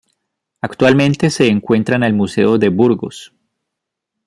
Actualmente se encuentra en el Museo de Burgos.